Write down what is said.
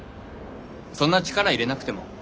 そんな力いれなくても。